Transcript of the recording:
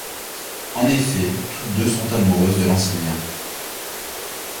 En effet, toutes deux sont amoureuses de l'enseignant.